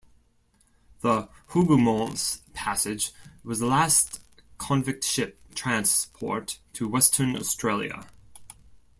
The "Hougoumont"'s passage was the last convict ship transport to Western Australia.